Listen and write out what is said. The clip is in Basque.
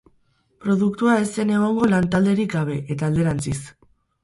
Produktua ez zen egongo lan-talderik gabe, eta alderantziz.